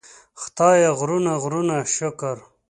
خدایه غرونه غرونه شکر.